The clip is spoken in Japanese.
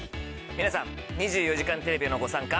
皆さん『２４時間テレビ』へのご参加。